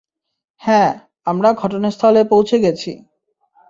হ্যাঁ, আমরা ঘটনাস্থলে পৌছে গেছি।